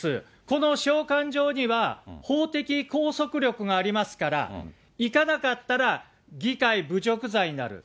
この召喚状には法的拘束力がありますから、行かなかったら議会侮辱罪になる。